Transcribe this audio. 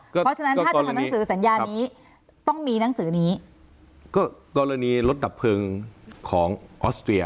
เพราะฉะนั้นถ้าจะทำหนังสือสัญญานี้ต้องมีหนังสือนี้ก็กรณีรถดับเพลิงของออสเตรีย